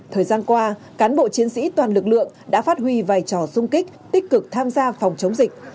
thời gian qua cán bộ chiến sĩ toàn lực lượng đã phát huy vai trò sung kích tích cực tham gia phòng chống dịch